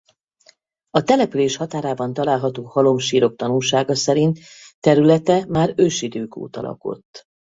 A település határában található halomsírok tanúsága szerint területe már ősidők óta lakott.